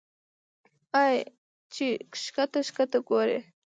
اې چې ښکته ښکته ګورې